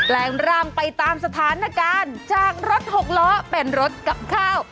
แรงร่างไปตามสถานการณ์จากรถหกล้อเป็นรถกับข้าว